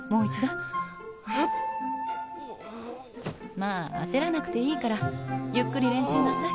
まあ焦らなくていいからゆっくり練習なさい。